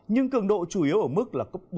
nhưng cường độ chủ yếu ở mức bốn năm